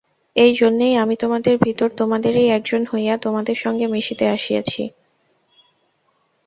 এই জন্যই আমি তোমাদের ভিতর তোমাদেরই একজন হইয়া তোমাদের সঙ্গে মিশিতে আসিয়াছি।